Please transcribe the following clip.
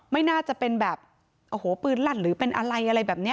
ไม่น่าจะเป็นแบบโอ้โหปืนลั่นหรือเป็นอะไรอะไรแบบนี้